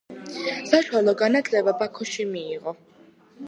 საშუალო განათლება ბაქოში მიიღო.